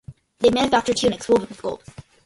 They manufacture tunics woven with gold.